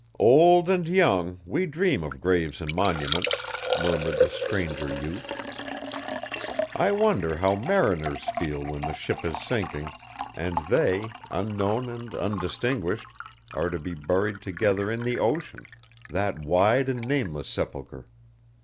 'Old and young, we dream of graves and monuments,' murmured the stranger youth. 'I wonder how mariners feel when the ship is sinking, and they, unknown and undistinguished, are to be buried together in the ocean that wide and nameless sepulchre?